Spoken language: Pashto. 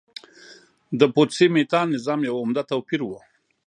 د پوتسي میتا نظام یو عمده توپیر و